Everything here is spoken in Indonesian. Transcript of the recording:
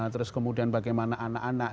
terus kemudian bagaimana anak anak